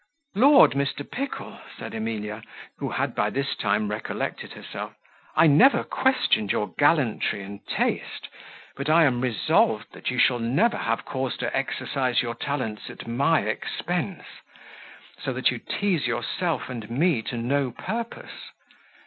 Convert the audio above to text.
"Lord! Mr. Pickle," said Emilia, who had by this time recollected herself, "I never questioned your gallantry and taste; but I am resolved that you shall never have cause to exercise your talents at my expense; so that you tease yourself and me to no purpose.